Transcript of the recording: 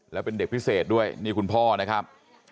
แล้วเป็นเด็กพิเศษด้วยนี่คุณพ่อนะครับ